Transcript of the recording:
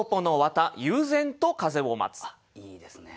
あっいいですね。